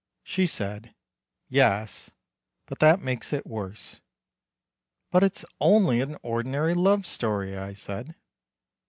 She said: "Yes; but that makes it worse." "But it's only an ordinary love story," I said.